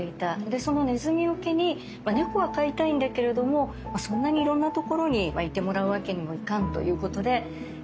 でそのねずみよけに猫は飼いたいんだけれどもそんなにいろんなところにいてもらうわけにもいかんということで。